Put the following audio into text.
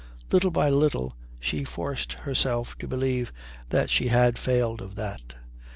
Little by little she forced herself to believe that she had failed of that.